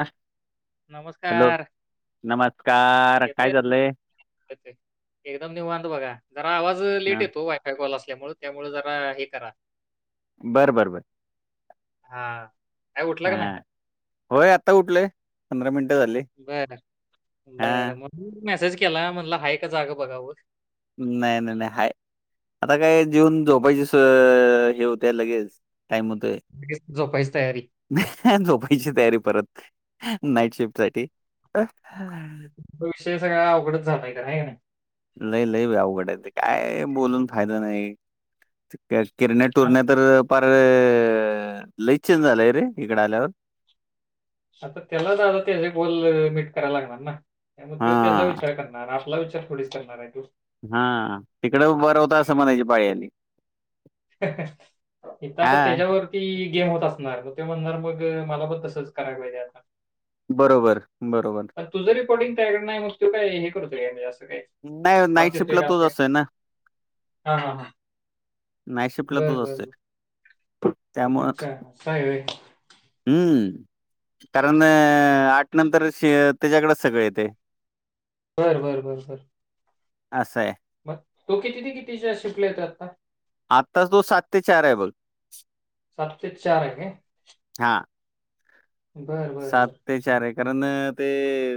हं.. नमस्कार.. नमस्कार येतोय, काय चालंय... एकदम निववांत बघा जरा आवाज लेट हा येतो वाईट.. ल असल्यामुळे त्यामुळे जरा हे करा.. बरं बरं बरं.. हा.. हा होय आता उठलंय पंधरा मिनटं झाली, बर हा बर मग मेसेज केला म्हणला हाय एक जागा... बघावं नाही नाही नाही हा.. आता काय जेवन झोपायचे हे होत लगेच टाइम हतो., े झोपायच तयारी.. झोपायची तयारी परत नाईट शिफ्ट साठी. विषय सगळा अवडच झाातय तर आहे का ना. लई लई बा अवघड आहे ते काय बोलून फायदा नाही. किरने हां. टूरने तर फार.. लईचन झालंय रे इकडे आल्यावर. आता त्याला आता त्या बोल मीट करायला लागणार ना त्यामुळे हा ते त्याचा विचार करणार. आपला विचार थोडीच टरणार आहे तू.. हा तिकडे बर होत असं म्हणायची पाळीली... इिथता हा त्याच्यावरती. ती गेम होत असणार मग ते म्हणणार मग मला पण तसच करायला पाहिजे आता... बरोबर बरोबर... पण तुझं रिपोर्टिंग त्याच्याकडे नाही मगतो काय हे करत का म्हणजे असं काही.... नाही नाईट शिफ्टला तोच असय ना.... हा हा हा नाही शिपला बर तच बर असे.. बर अच्छा आहे. हम्म... कारण आठ नंतर त्याच्याकडेच सगळं येते... बर बरं बर बर. असे. मग तो किती ते कितीच्या शििकले तर आता. आत्ताास तो सात ते चार आहे बोल. सत्य चारक. हा. बरं बरं बरं.. ते चार आहे कारण ते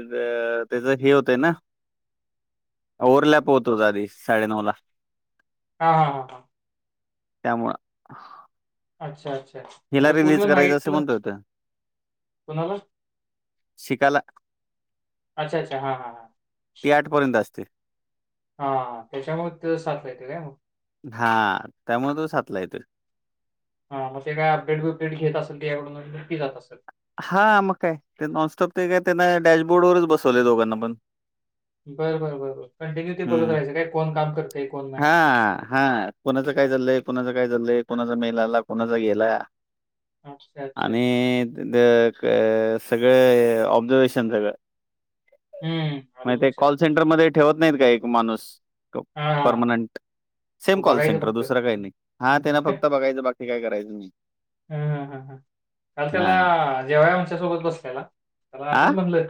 त्याचं हे होतंय ना. ओव्हरलॅप होत होता आधी साडेनऊ ला.. हा हा हा हा... त्यामुळे्हा.... अच्छा अच्छा.. हिला म्हणजे रिलीज पूर्ण करायचं असं नाईटला म्हणत होत.. कुणाला शिकालात अच्छा अच्छा हा ती आठपर्यंत असते. हा त्याच्यामुळे ते साचला येत काय मग.. हा त्यामुळे तो साातलाय त... हा मगे काय अपेट बेट घेत असेली याकडूनी जात असेल... हा मग काय ते नॉनस्टॉप ते काय त्यांना डॅशबोर्ड वरच बसवले दोघांना पण. बर बर बर बर कंटिन्यु ते बघत हं. रहायचं काय कोण काम करते कोण नाही. हा कुणाचं काय चालंय कुणाचं काय चाललंय कुणाचा मेल आला कुणाचा गेला. अच्छा अच्छा अच्छा आणि सगळे ऑब्झर्वेशन सगळं हम्म मग आलं ते लक्षात कॉल सेंटरमध्ये ठेवत नाहीत का एक माणूस. हा हा पर्मनंट सेम तू कॉल बघायचं सेंटर फक्त दुसरा काही नाही हा त्यांना फक्त बघायचं बाकी काय करायचं नाही हा हा हा काल त्याला हां. जेवाय आमच्यासोबत बसल्याला त्याला आ? असच म्हटलं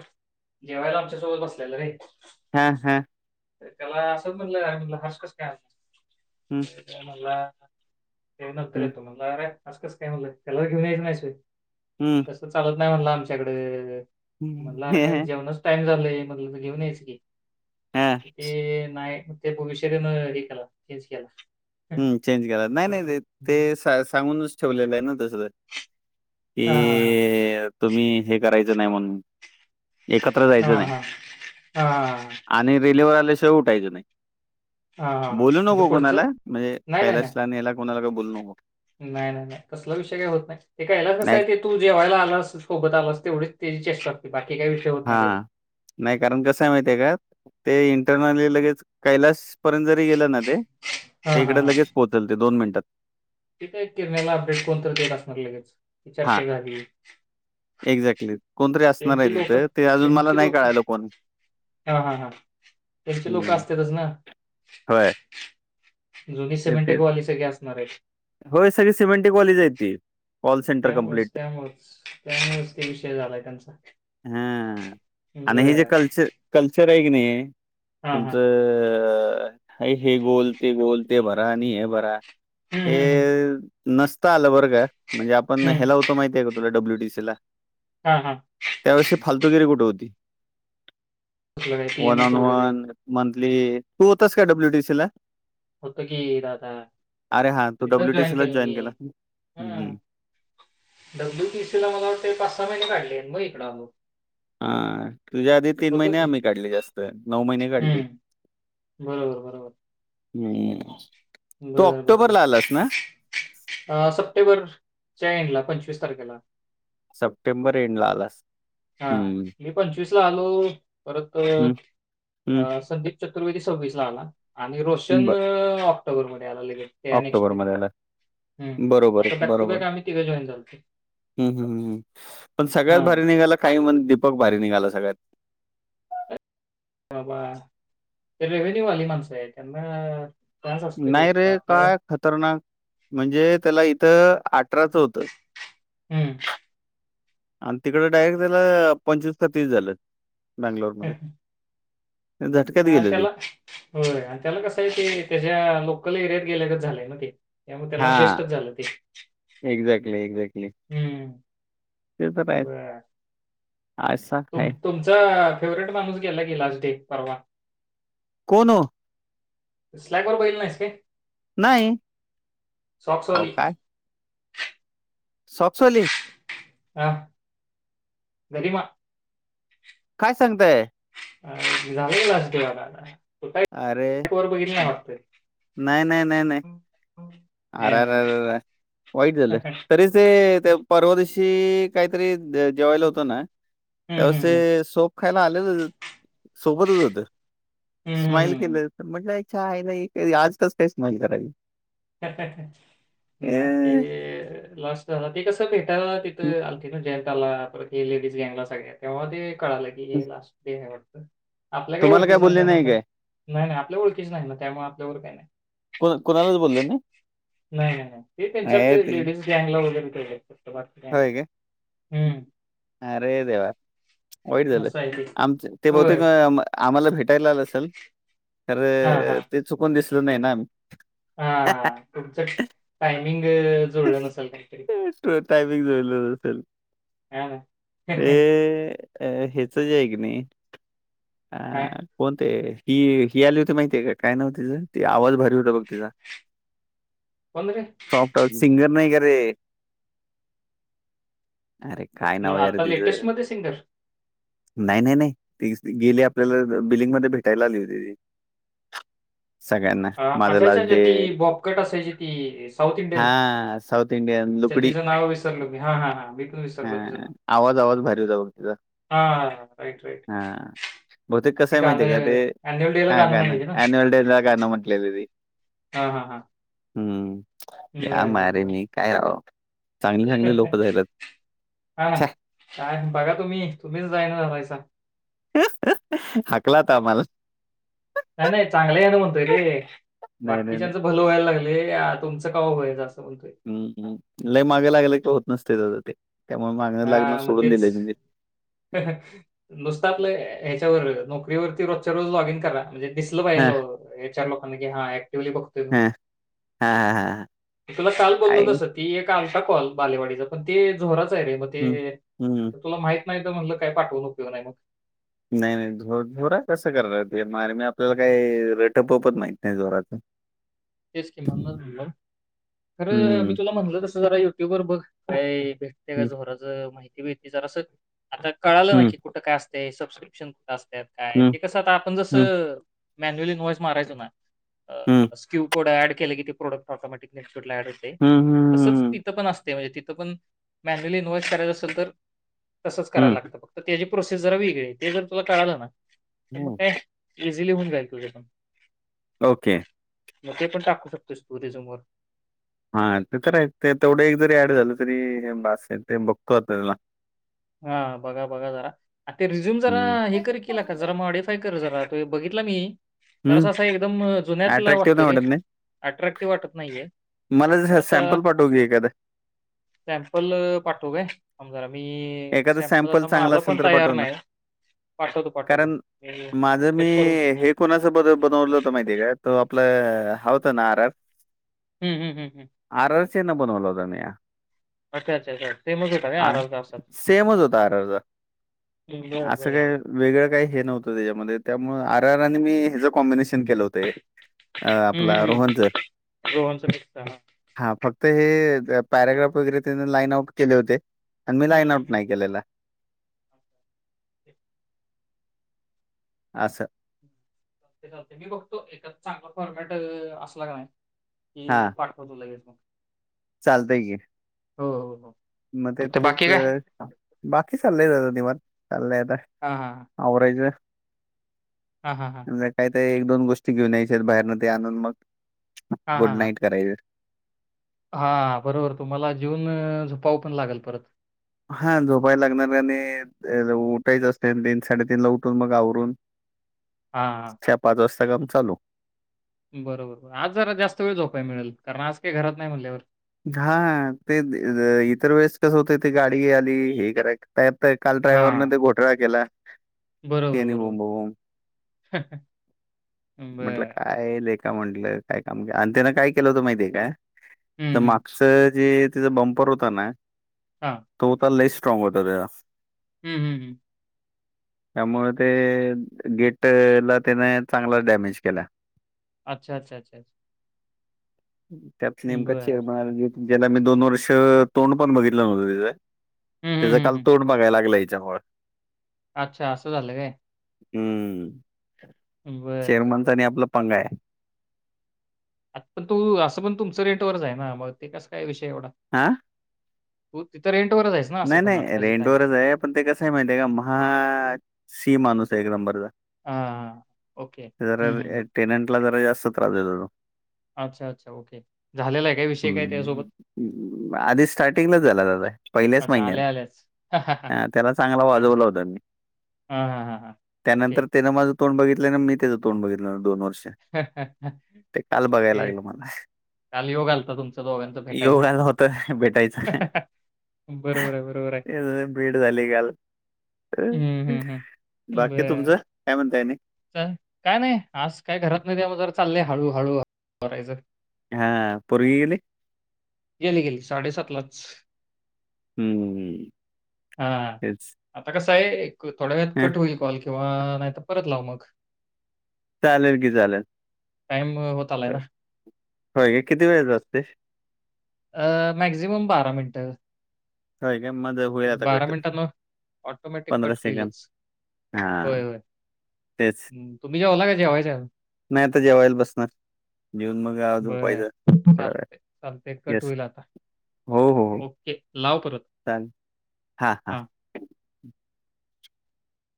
जेवायला आमच्यासोबत बसल्याल रे हा हा त्याला असंच म्हटलं हर्ष कस काय हम् तर म्हणला ये नंतर येतो म्हणला अरे अस कस काय म्हणलं त्याला जरा घेऊन यायच नाहीस होय हम्म. तसं चालत नाही म्हणला आमच्याकड म्हणलं अर काय हं. जेवणाचं.. टाइम झालाय म्हटलं तर घेऊन यायच की हां, ते.. नाही ते विषय तेन हे केला चेन्ज केला. हम्म चेंज केला नाही नाही ते सांगूनच ठेवलेलं आहे दुसरं हा हा कि तुम्ही हे करायचं नाही म्हणून. एकत्र हा जायचं नाही हा हा हा आणि रिल्वर आल्याशिवाय उठायचं नाही. हा हा हा बोलू म्हणजे नको पुढचं कुणाला म्हणजे नाही नाही नाही कैलाशला न हेला कुणाला काय बोलू नको. नाही नाही नाही कसला विषय काही होत नाही ते कायलाच कसं नाही य ते तू जेवायला आलास सोबत आलास तेवढीच त्याची चेष्टा असते.. बाकी काही होत हा नाही कधी. नाही कारण कस आहे माहितीय आहे का ते इंटरर्नल्ली लगेच कैलास पर्यंत जरी गेलं ना ते हां, हां, इकडे हां. लगेच पोहोचल ते दोन मिनिटात. ते काय किरण्याला अपडेट कोणत देत असणार लगेच ही हां, चर्चा झाली. एक्झॅक्टली कोणतरी असणार आहे त्यांची लोकं तिथं ते अजून मला नाही कळायला कोण हा हा हा त्यांची लोक हं. असत्यातच ना. होय. जुनी सिमेंटिकवाली सगळी असणार आहेत हो सगळी सिमेंटीकवालीचं आहेत ती कॉल सेंटर त्यामुळेच कंप्लीट. त्यामुळेच त्यामुळेच ते विषय झालाय त्यांचा हा आणि हे जे बरं. कल्चर कल्चर आहे की नाही. हां, हां. तुमचं हे गोल ते गोल ते भरा आणि हे भरा. हं, हे हं, हं. नसत आलं बरं का म्हणजे आपण हं. हेला होत. तो माहिती आहे तुला डब्लूटीसी ला हा हा. त्यावेळेस फालतूगिरी कुठे होती कुठलं काय वन पी-एम-एच ऑन वगैरे वन मंथली तू होतस का डब्ल्यूटीसी ला. होतो की दादा अरे हा तू तिथंच जॉईन डब्ल्यूटीसी ला केलं मी केला ह हम्म. डब्लूपीसीला मला वाटतंय पाच सहा महिने काढलय मग इकड आलो. हा तुझ्या आधी तीन होतो महिने की आम्ही काढली जास्त नऊ महिने काढली. हम्म बरोबर बरोबर हम्म तू ऑक्टोबरला आलास ना सप्टेंबर च्या एन्ड ला पंचवीस तारखेला सप्टेंबर एन्डला आलास हा हम्म मी पंचवीस ला आलो परत हम्म हम्म संदीप. चतुर्वेदी सवीसला आला आणि रोशन ब- ऑक्टोबर मध्ये आला लगेचं त्या नेक्स्ट वीक ऑक्टोबरमध्ये मध्ये आला हमम बरोबर आता बॅक टू बॅक आम्ही तिघे जॉईन झालतो हम् हम पण सगळ्यात भारी निघाला काही म्हण दीपक भारी निघाला सगळ्यात. मबा रेविन्यूवाली माणस आहे ज काच असते नाही भरपूर रे आपल्याला काय खतरनाक म्हणजे त्याला इथं अठराचं होतं हम्म आणि तिकड डायरेक्ट त्याला पंचवीस का तीस झालं बँंगलोरमध्ये. आणि त्याला हो आणि त्याला कसं आहे ते त्याच्या लोकल एरियात गेल्याच झालंय ना ते त्यामुळे त्याला हां. बेस्टच झालं ते एक्झॅक्टली, एक्झॅक्टली. हम्म. ते तर आहेच आज तुमचा फेवर्हेट माणूस गेला गी लाल डे परवा. कोण ओ? स्लॅब वर बघितलं नाहीस काय? नाही आहो सॉक्सवाली. काय. सॉंक्स वाले हा [unintelligible] काय सांगताय. अ जा लाजवाला अरे नाही नाही नाही नाही. हां. आर आर आर वाईट झालं तरीच ते परवा दिवशी काहीतरी जेवायला होतं ना हं, हं, हं. हं, तेव्हा हं, हं. ते सोप खायला आलेलं सोबतच होते. हं, स्माइल हं, केलं तर म्हटलं चायला आज तरच काय स्माइल कराल. नाही ए ते. लाॉस्ट झाला ते कसं भेटायला हं, तिथं आलती ना जेंट आला पर लेडीज गँंगला सगळ्यात. तेव्हा ते कळालं की हे लास्ट डे आहे वाटत आपल्या काही तुम्हाला काय ओळखीच नाही बोलले त्यामुळे काय नाही नाही आपल्या ओळखीच नाही ना त्यामुळे आपल्यावर काही नाही. को कोणालाच बोलले नाही. नाही नाही नाही ते त्यांच्या नाही आपले ते लेडीज गँगला वगैरे ग हम् अ अरे देवा. वाईट झालं असं आहे ते आमच ते बहुतेक होय आम्हाला भेटायला आलं असल. खरे हां ते चुकून दिसल नाही ना. हा तुमचं टायमिंग जुळलं नसेल काहीतरी टाइमिंग जुळल नसेल. हा ना ते अ ह्याच जे आहे की नाही. अ काय कोण ते ही ही आली होती माहितीय का काय नाव तीच ते आवाज भारी होता बघ तिचा. [inaudible] बंद रे सॉफ्ट सिंगर नाही का रे. अरे काय न- नाव यार आता लेटेस्ट तिचं मध्ये सिंगर नाही नाही नाही. गेले आपल्याला बिल्डिंग मध्ये भेटायला आली होती ती सगळ्यांना माझा अच्छा अच्छा लाच अच्छा, डे ती बॉबकट असायची ती साऊथ इंडियन हा साऊथ इंडियन अच्छा लुकडी तिचं नाव विसरलो मी. हां, हां, हां. मी पण ह विसरलो आवाज आवाज भारी होता तिचा. हा राईट राईट हां, बहुतेक कसं ती आहे माहिती आहे का ते गाणं अॅन्युअल डेला हा गाणं म्हणायची ना? ॲनिमल ॲनिवल डे गाणं म्हंटली होती ती. हा हा हा हम्म आ मर मी काय चांगले-चांगले लोकं जाहिरात. हा छ्या काय बघा तुम्ही तुम्हीच जाय ना झालायचा. [inaudible] हकला अता आम्हाला. नाही नाही चांगले ह्यान म्हणतोय रे नाही, नाही, नाही. बाकीच्याच भलं व्हायला लागल. ते अ तुमचं कवा होतंय असं म्हणतोय. हम्म्, हम्म, लई मागे लागल की होत नसते तस ते त्यामुळे माग लागण सोडून दिलंय मी. नुसता आपलं ह्याच्यावर नोकरीवरती रोजच्या रोज लॉगिंन करा. म्हणजे दिसलं पाहिलं हां, लो या चार लोकांना की हा ऍक्टिव्हली बघतोय. हां, हां, हां, हां. [inaudible] तुला काल बोललो काय तस. ती एक अलता कॉल बालेवाडीचा पण ते जोराच आहे रे मग हं, ते हं. तुला माहित नाही तर म्हटलं काय पाठवून उपयोग नाही. नाही नाही झो झोरा कसं करत्यात रे मारणी आपल्याला काही रेट पपत नाही झोराचं. [inaudible] तेच किमान म्हणूनच म्हनलं खरं मी हं, तुला म्हणल तसं जरा युट्यूब वर बघ. काय भेटते का हं, झोराच माहिती भेटली जरास आता कळालंच हं, की. कुठ काय असत सबस्क्रिप्शन कुठं असत्यात काय हं. ते कसं आता आपण हं, जसं मॅन्युअली ईनवाइस मारायचो ना. हम्म. क्यू कोड ऍड केले की ते प्रोडक्ट ऑटोमॅटिक नेटड ऍड होते हं, तसच ती हं, पण असते म्हणजे तिथ पण मॅन्युअली इन्वाईस करायच असेल तर तसंच हं, करायला लागतं फक्त त्याची प्रोसेस जरा वेगळी आहे. ते जर तुला कळालं ना तर मग हं. काय इझिली होऊन जा्ईल तुझ् पण. ओके. मग ते पण टाकू शकतोस टुरिझम वर. हा ते तर आहेत ते तेवढं एक जरी ऍड झालं तरी हे बास आहे ते बघतो आता त्याला हा बघा बघा जरा ते रिझ्यूम जरा हं. हे कर की लेका जरा माहित काय कर जरा तो बघितला मी. जरासा हं, असं एकदम जुन्यातला अट्रॅक्टिव्ह वाटतोय नाही रे वाटत नाही. अट्रॅक्टिव्ह वाटत नाहीये. मला जरा जरासा सॅम्पल पाठव की एखादं. सॅम्पल पाठवू काय? थांब जरा मी एखादं सॅम्पल आता चांगल माझा असेल पण तर तयार पाठव ना. नाही पाठवतो. पाठव कारण माझं मी हे कोणाचं बनव-बनवलं होत माहिती आहे काय? तो आपलं हा होत ना आर ह्, हं, हं. आररसेन बनवलं होता मीन. मग काय [unintelligible] आण आरआर का असतात सेमच होता आररचा. हम्म, [inaudible] बरं असं बरं काय बरं नाही वेगळं काही हे नव्हतं त्याच्यामध्ये त्यामुळ आर आर आणि मी हेचं कॉम्बिनेशन केलं होत ते अ हम्म आपला हम्म रोहनच. हम्म रोहनचं मिक्स हम्म [inaudible] हा फक्त हे पॅराग्राफ वगैरे त्यांन लाईन आउट केले होते. आणि मी लाईन हम्म आऊट हम्म. नाही केलेला. असं. चालतंय चालतयं मी बघतो एखाद चांगला फॉरमॅट असला की नाही मी हां, पाठ वतो लगेच. चालतंय की. हो, हो, हो. म काय फक्त तेच बाकी काय? बाकी चाललंय जरा निवांत चाललंय आता. हा हा आवरायच. हा, हा, हा. मग काय ते एक, दोन गोष्टी घेऊन यायच्या आहेत बाहेरन ते आणून मग हा हा गुड नाईट करायच. हा बरोबर तुम्हाला जेवून झोपाव पण लागल परत. हा झोपायला लागणार आणि अ उठायच असते तीन साडेतीन ला उठून मग आवरून [unintelligible] हा, हा. चार, पाच वाजता काम चालू. बरोबर आज जरा जास्त वेळ झोपाय मिळालं कारण आज काही घरात नाही म्हणल्यावर हा ते इतर वेळेस कसं होत ते गाडी आली हे [inaudible] त्यात काल हा ड्रायव्हरने ते घोटळा केला. ते बरोबर आणि बरोबर बोंबाबोब म्हटल बर काय लेका म्हंटलं काय काम अ त्यानं काय केलं होतं माहितीे हे काय? हम्म तर हम्म मागच जे तेच बंपर होता ना हा तो होता लई स्ट्रॉंग होता त्याचा हम् हम् हम्म त्यामुळे ते गेट ला त्याने चांगलाच डॅमेज केला. अच्छा अच्छा अच्छा त्यात नेमक बर चेअरमन आला ज्याला मी दोन वर्ष तोंड पण बघितलं नव्हतं त्याच हम्म हम्म त्याचं हम्म काल हम्म. तोंड बघाय लागलं येच्यामुळ आच्छा असं झालं काय. हम्म बरं बरं चेरमनचा बरं. आणि आपला पंगा आहे. आता पण तू असं पण तुमचं रेट वरच आहे ना मग ते कस काय विषय एवढा आ तु तिथं रेटंवरच आहेस ना असं नाही पण नाही आत्ता जिथं रेंट आहेस? वरच आहे पण ते कसं आहे माहिती आहे का महा सी माणूस आहे एक नंबर हा हा ओके हम्म हम् हम् पेमेंट ला जरा जास्त त्रास देतो तो आच्छा आच्छा ओके झालेला आहे काय विषय काय त्यासोबत हम्म. आधी स्टार्टिंगलाच झाला [inaudible] पहिल्याच अच्छा, महिन्यात आल्या-आल्याच. अच्छा. आ त्याला चांगला वाजवला होता मी हा हा हा हा ओके त्यानंतर त्यानं माझं तोंड बघितले ना मी त्याचं तोंड बघितलं दोन वर्ष ते काल बघायला ते लागल मला काल योग आला होता तुमच्या दोघांचा भेटायचा. योग आला होता भेटायचा. बरोबर आहे, बरोबर आहे. तेच भेट झाली काल हं, हं, हं. बाकी बरं. तुमचं काय म्हणताय आणि काय नाही आज काय घरात नाही त्या मूळ जर चाललय हळू हळू हळू करायचं हा पोरगी गेली गेली गेली साडेसात लाच हम्म. हा हा तेच. आता कसं आहे थोड्या वेळात हं, कट होईल कॉल किंवा नाही तर परत लावू मग चालेल की चालेल टाईम होत आलाय ना. होय किती वेळेच असतोय मॅक्झिमम बारा मिनटं होय काय मगं होईल आता कट मिनिटांनं ऑटोमॅटिक पंधरा कट सेकंड होईलच. हा तेच तुम्हीे जेवला काय जेवायच हाय आजुन नाही आता जेवायला बसणार जेऊन मग झोपायच थोड्या वेळात ते कट होईल आता ओके लाव परत चालतय हा हा हां.